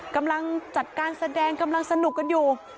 กำลังจัดการแสดงกำลังสนุกกันอยู่